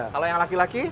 kalau yang laki laki